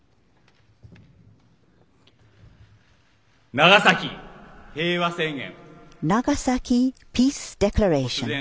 長崎平和宣言。